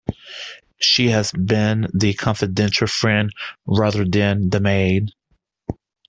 She has been the confidential friend rather than the maid.